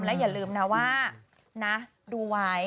และอย่าลืมนะว่านะดูไว้